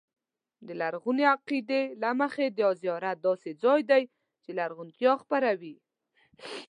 د لرغوني عقیدې له مخې دا زیارت داسې ځای دی چې زرغونتیا خپروي.